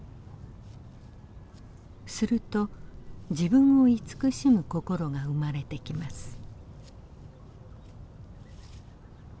すると自分を慈しむ心が生まれてきます。